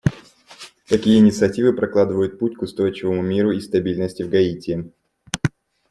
Такие инициативы прокладывают путь к устойчивому миру и стабильности в Гаити.